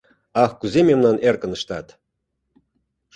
«Ах, кузе мемнан эркын ыштат.